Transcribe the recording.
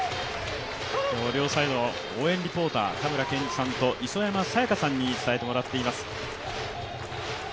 両サイド応援リポーター、たむらけんじさんと磯山さやかさんに伝えてもらっています。